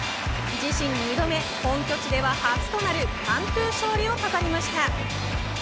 自身２度目、本拠地では初となる完封勝利を飾りました。